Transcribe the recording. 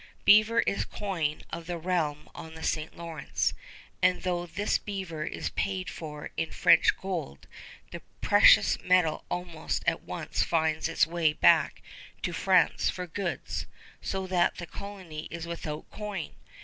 Beaver is coin of the realm on the St. Lawrence, and though this beaver is paid for in French gold, the precious metal almost at once finds its way back to France for goods; so that the colony is without coin.